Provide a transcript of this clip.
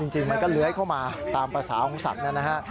จริงมันก็เลื้อยเข้ามาตามภาษาของสัตว์นะฮะ